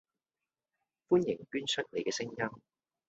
歡迎捐出您既聲音